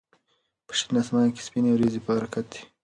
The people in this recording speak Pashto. په شین اسمان کې سپینې وريځې په حرکت دي.